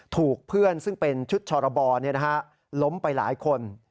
ถูกเพื่อนซึ่งเป็นชุดชรบล้มไปหลายคน